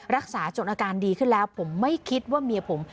รักษาจนอาการดีขึ้นแล้วผมไม่คิดว่าเมียผม